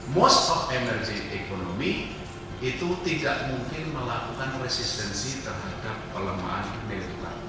most of emerging economy itu tidak mungkin melakukan resistensi terhadap kelemahan nilai tukar